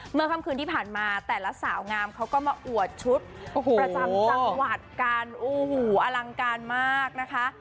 ค่ำคืนที่ผ่านมาแต่ละสาวงามเขาก็มาอวดชุดประจำจังหวัดกันโอ้โหอลังการมากนะคะ